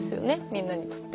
みんなにとって。